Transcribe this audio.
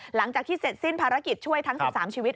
หลังจากที่เสร็จสิ้นภารกิจช่วยทั้ง๑๓ชีวิต